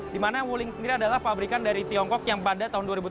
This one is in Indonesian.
di mana wuling sendiri adalah pabrikan dari tiongkok yang pada tahun dua ribu tujuh belas